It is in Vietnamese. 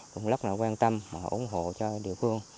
cũng rất là quan tâm ủng hộ cho địa phương